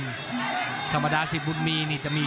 ภูตวรรณสิทธิ์บุญมีน้ำเงิน